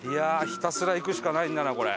ひたすら行くしかないんだなこれ。